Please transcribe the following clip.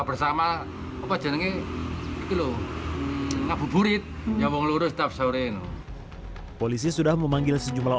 bersama apa jenengnya itu loh ngabur buri yang lulus tafsore polisi sudah memanggil sejumlah